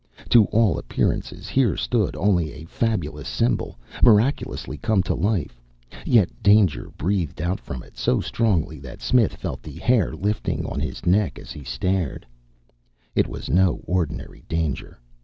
To all appearances here stood only a fabulous symbol miraculously come to life; yet danger breathed out from it so strongly that Smith felt the hair lifting on his neck as he stared. It was no ordinary danger.